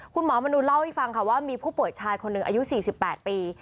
คุณหมอมนุนเล่าให้ฟังค่ะว่ามีผู้ป่วยชายคนหนึ่งอายุ๔๘ปี